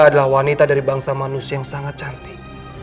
adalah wanita dari bangsa manusia yang sangat cantik